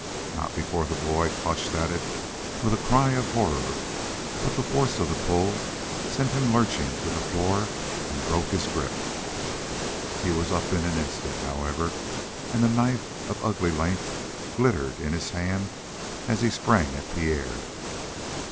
Not before the boy clutched at it with a cry of horror, but the force of the pull sent him lurching to the floor and broke his grip. He was up in an instant, however, and a knife of ugly length glittered in his hand as he sprang at Pierre.